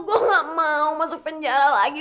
gue gak mau masuk penjara lagi